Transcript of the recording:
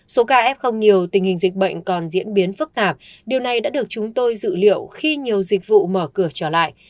số ca f không nhiều tình hình dịch bệnh còn diễn biến phức tạp điều này đã được chúng tôi dự liệu khi nhiều dịch vụ mở cửa trở lại